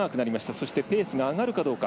そしてペースが上がるかどうか。